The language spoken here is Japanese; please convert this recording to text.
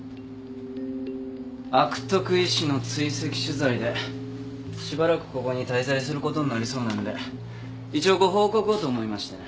悪徳医師の追跡取材でしばらくここに滞在することになりそうなんで一応ご報告をと思いましてね。